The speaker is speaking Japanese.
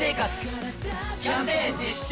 キャンペーン実施中！